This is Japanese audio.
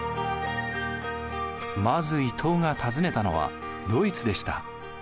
まず伊藤が訪ねたのはドイツでした。